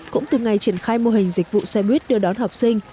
cũng từ ngày triển khai mô hình dịch vụ xe buýt đưa đón học sinh